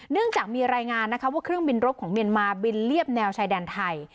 จากมีรายงานนะคะว่าเครื่องบินรบของเมียนมาบินเรียบแนวชายแดนไทย